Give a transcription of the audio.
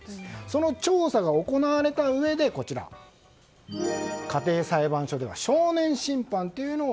その調査が行われたうえで家庭裁判所で少年審判を行う。